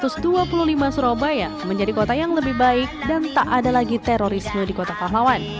satu ratus dua puluh lima surabaya menjadi kota yang lebih baik dan tak ada lagi terorisme di kota pahlawan